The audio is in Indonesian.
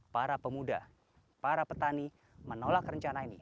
para pemuda para petani menolak rencana ini